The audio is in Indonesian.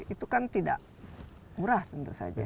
itu kan tidak murah tentu saja